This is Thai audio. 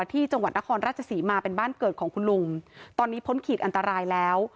ที่จังหวัดนครราชศรีมาเป็นบ้านเกิดของคุณลุงตอนนี้พ้นขีดอันตรายแล้ว